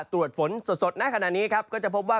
ตรวจฝนสดณขณะนี้ครับก็จะพบว่า